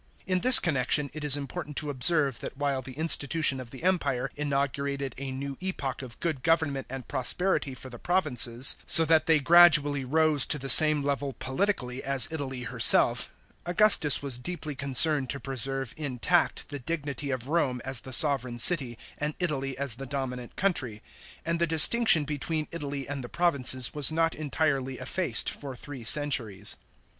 In this connection, it is important to observe that while the institu tion of the Empire inaugurated a new epoch of good government and prosperity for the provinces, so that they gradually rose to the same level politically as Italy herself, Augustus was deeply con cerned to preserve intact the dignity of Rome as the sovran city, and Italy as the dominant country ; and the distinction between Italy and the provinces was not entirely effaced for three centuries.